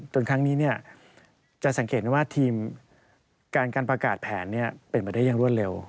ครั้งนี้จะสังเกตได้ว่าทีมการประกาศแผนเป็นไปได้อย่างรวดเร็ว